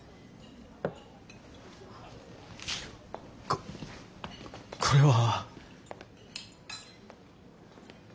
こっこれは。